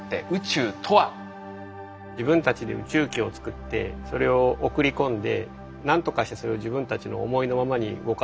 自分たちで宇宙機を作ってそれを送り込んでなんとかしてそれを自分たちの思いのままに動かす。